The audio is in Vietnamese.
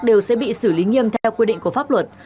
đều sẽ bị xử lý nghiêm theo quy định của pháp luật